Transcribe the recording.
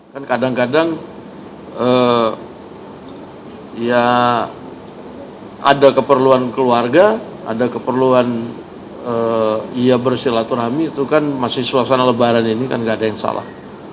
kan kadang kadang ya ada keperluan keluarga ada keperluan ya bersilaturahmi itu kan masih suasana lebaran ini kan gak ada yang salah